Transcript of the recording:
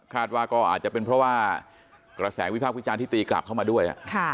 ว่าก็อาจจะเป็นเพราะว่ากระแสวิพากษ์วิจารณ์ที่ตีกลับเข้ามาด้วย